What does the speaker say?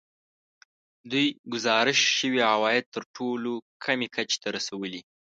دوی ګزارش شوي عواید تر ټولو کمې کچې ته رسولي